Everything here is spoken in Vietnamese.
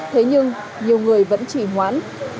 thế nhưng nhiều người vẫn chỉ hoãn